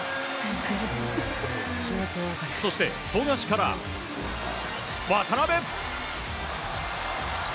そして、富樫から渡邊。